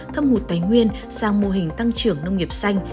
thâm hụt tài nguyên sang mô hình tăng trưởng nông nghiệp xanh